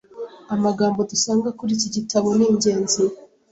amagambo dusanga kuriki gitabo ningenzi